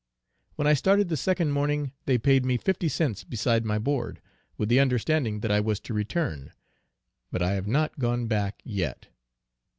When I started the second morning they paid me fifty cents beside my board, with the understanding that I was to return; but I have not gone back yet.